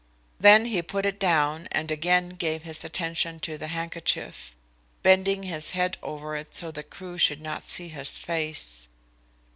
Then he put it down and again gave his attention to the handkerchief, bending his head over it so that Crewe should not see his face.